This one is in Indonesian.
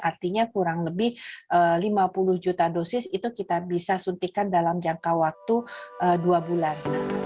artinya kurang lebih lima puluh juta dosis itu kita bisa suntikan dalam jangka waktu dua bulan